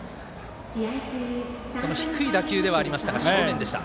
その低い打球ではありましたが正面でした。